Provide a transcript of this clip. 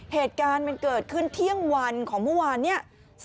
เหตุการณ์มันเกิดขึ้นเที่ยงวันของเมื่อวานเนี่ย